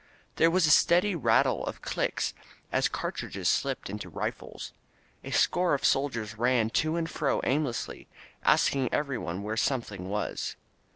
There was a steady rattle of clicks as cartridges slipped into rifles. A score of soldiers ran to and fro aimlessly, asking everyone where something was.